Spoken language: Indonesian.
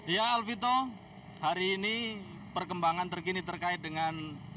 ya alvito hari ini perkembangan terkini terkait dengan